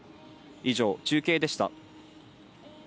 以上、中継でした。